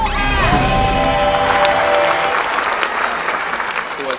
มันสู้ค่ะ